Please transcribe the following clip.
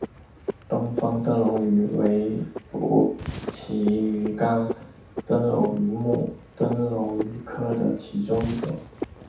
东方灯笼鱼为辐鳍鱼纲灯笼鱼目灯笼鱼科的其中一种。